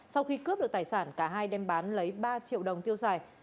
sau khi cướp được tài sản cả hai đem bán lấy ba triệu đồng tiêu xài